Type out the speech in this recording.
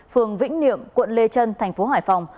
phường vĩnh niệm quận lê trân tp hải phòng